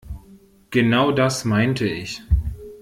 Genau das meinte ich.